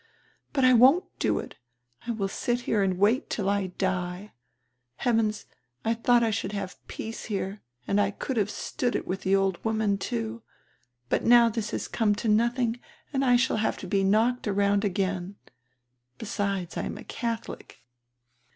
But I won't do it. I will sit here and wait till I die — Heavens, I diought I should have peace here and I could have stood it with the old woman, too. But now diis has come to nothing and I shall have to be knocked around again. Besides, I am a Cadiolic.